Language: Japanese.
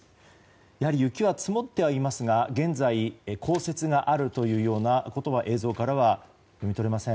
やはり雪は積もってはいますが現在、降雪があるということは映像からは読み取れません。